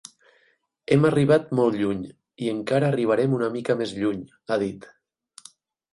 Hem arribat molt lluny i encara arribarem una mica més lluny, ha dit.